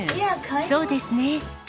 そうですね。